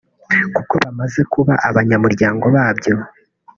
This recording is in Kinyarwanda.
kuko bamaze kuba abanyamuryango babyo